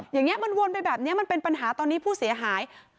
อย่างนี้มันวนไปแบบนี้มันเป็นปัญหาตอนนี้ผู้เสียหาย